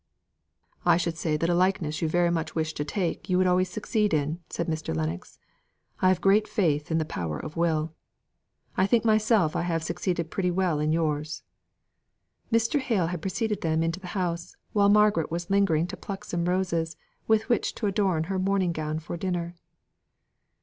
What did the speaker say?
"I should say that a likeness you very much wish to take you would always succeed in," said Mr. Lennox. "I have great faith in the power of will. I think myself I have succeeded pretty well in yours." Mr. Hale had preceded them into the house, while Margaret was lingering to pluck some roses, with which to adorn her morning gown for dinner.